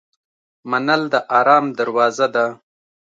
منل د آرام دروازه ده.